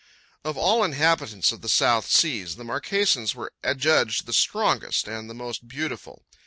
Of all inhabitants of the South Seas, the Marquesans were adjudged the strongest and the most beautiful.